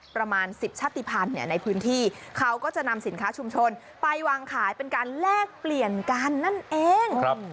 ประมาณ๑๐ชาติภัณฑ์ในพื้นที่เขาก็จะนำสินค้าชุมชนไปวางขายเป็นการแลกเปลี่ยนกันนั่นเอง